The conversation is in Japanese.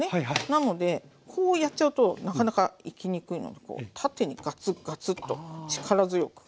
なのでこうやっちゃうとなかなかいきにくいのでこう縦にガツッガツッと力強く。